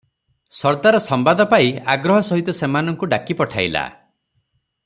ସର୍ଦ୍ଦାର ସମ୍ବାଦ ପାଇ ଆଗ୍ରହସହିତ ସେମାନଙ୍କୁ ଡାକି ପଠାଇଲା ।